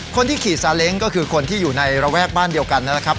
คนที่ขี่ซาเล้งก็คือคนที่อยู่ในระแวกบ้านเดียวกันนะครับ